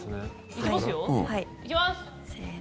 いきます！